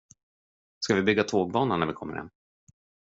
Ska vi bygga tågbana när vi kommer hem?